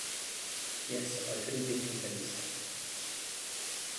Yet I couldn’t be convinced.